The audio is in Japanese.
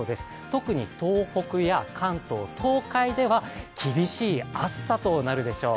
特に東北や関東、東海では厳しい暑さとなるでしょう。